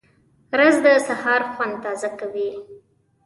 رس د سهار خوند تازه کوي